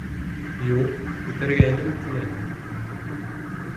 Юҡ, күтәргәйнем, тине.